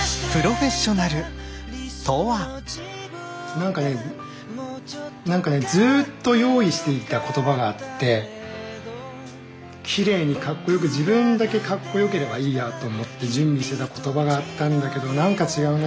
なんかねなんかねずっと用意していた言葉があってきれいにかっこよく自分だけかっこよければいいやと思って準備してた言葉があったんだけどなんか違うな。